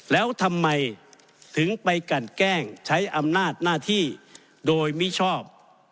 แล้วทำไมถึงไปกันแกล้งใช้อำนาจหน้าที่โดยมิชอบ